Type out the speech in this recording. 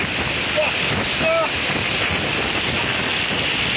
あっ！